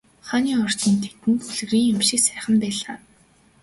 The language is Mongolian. Хааны ордон тэдэнд үлгэрийн юм шиг сайхан байлаа.